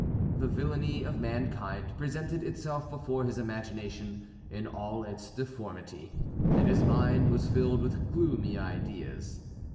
The villainy of mankind presented itself before his imagination in all its deformity, and his mind was filled with gloomy ideas.